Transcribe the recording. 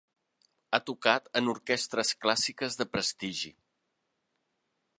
Ha tocat en orquestres clàssiques de prestigi.